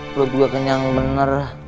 perut gua kenyang bener